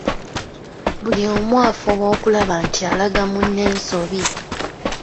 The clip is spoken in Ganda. Buli omu afuba okulaba nti alaga munne ensobi.